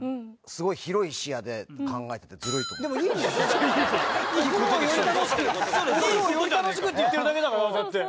すごい。お風呂をより楽しくって言ってるだけだからだって。